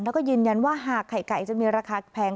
แล้วก็ยืนยันว่าหากไข่ไก่จะมีราคาแพง